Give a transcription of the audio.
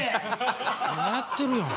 まだやってるやん。